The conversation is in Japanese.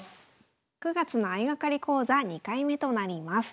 ９月の相掛かり講座２回目となります。